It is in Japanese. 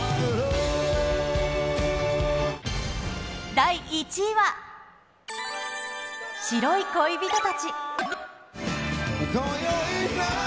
第１位は、白い恋人達。